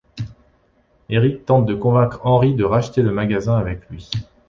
Eric tente de convaincre Henry de racheter le magasin avec lui.